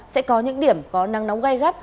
sẽ có những điểm có nắng nóng gai gắt